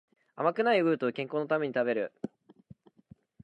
甘くないヨーグルトを健康のために食べる